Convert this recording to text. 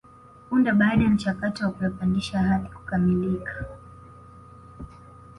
Punde baada ya mchakato wa kuyapandisha hadhi kukamilika